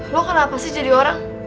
lo kenapa sih jadi orang